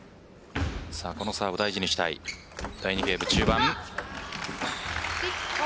このサーブ大事にしたい第２ゲーム中盤。